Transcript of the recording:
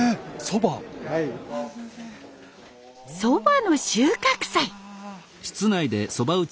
そばの収穫祭！